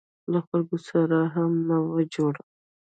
له خلکو سره مې هم نه وه جوړه.